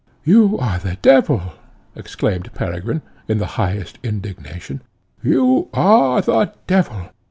"You are the devil!" exclaimed Peregrine, in the highest indignation, "you are the devil!